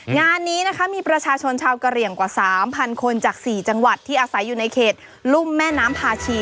งานนี้นะคะมีประชาชนชาวกะเหลี่ยงกว่า๓๐๐คนจาก๔จังหวัดที่อาศัยอยู่ในเขตรุ่มแม่น้ำพาชี